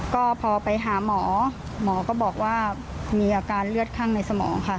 ก็พอไปหาหมอหมอก็บอกว่ามีอาการเลือดข้างในสมองค่ะ